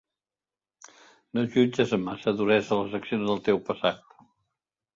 No jutges amb massa duresa les accions del teu passat.